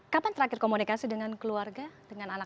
kapan terakhir komunikasi dengan keluarga dengan anak